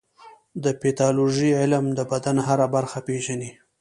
د پیتالوژي علم د بدن هره برخه پېژني.